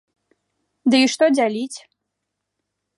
Ды і што дзяліць?